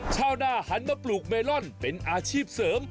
ชาวหน้าหันมาปลูกเมลอนเป็นอาชีพเสริม